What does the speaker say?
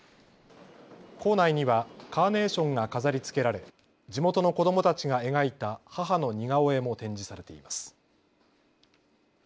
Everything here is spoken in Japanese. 構内にはカーネーションが飾りつけられ地元の子どもたちが描いた母の似顔絵も展示されています。